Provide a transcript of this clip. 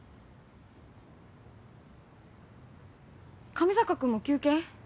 上坂君も休憩？